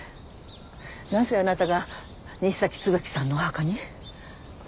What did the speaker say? なぜあなたが西崎椿さんのお墓に？